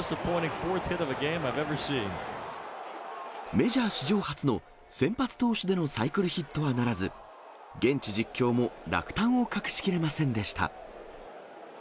メジャー史上初の先発投手でのサイクルヒットはならず、現地実況も落胆を隠しきれませんでした。